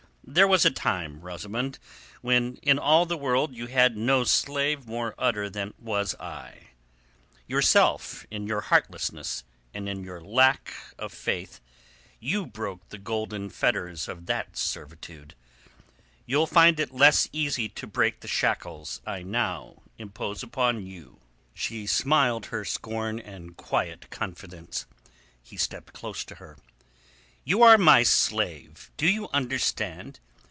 "There was a time, Rosamund, when in all the world you had no slave more utter than was I. Yourself in your heartlessness, and in your lack of faith, you broke the golden fetters of that servitude. You'll find it less easy to break the shackles I now impose upon you." She smiled her scorn and quiet confidence. He stepped close to her. "You are my slave, do you understand?